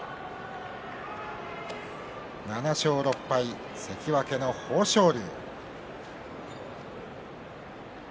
７勝６敗、関脇の豊昇龍。